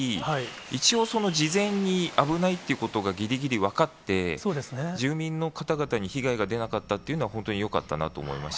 一応、その事前に危ないっていうことがぎりぎり分かって、住民の方々に被害が出なかったというのは、本当によかったなと思いまし